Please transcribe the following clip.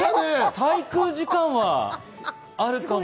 滞空時間はあるかも。